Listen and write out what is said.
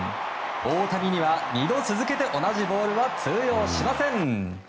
大谷には、２度続けて同じボールは通用しません。